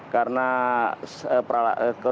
karena kondisi diperlukan